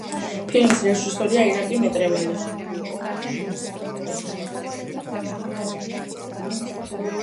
ფილმის რეჟისორია ირაკლი მეტრეველი.